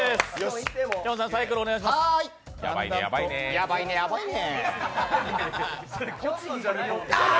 やばいねやばいね。